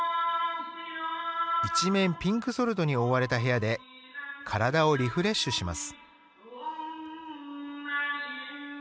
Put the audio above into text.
一面ピンクソルトに覆われた部屋で体をリフレッシュします。